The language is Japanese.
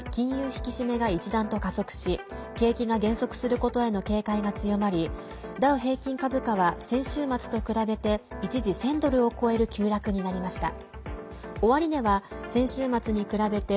引き締めが一段と加速し景気が減速することへの警戒が強まりダウ平均株価は先週末と比べて一時１０００ドルを超える急落になりました。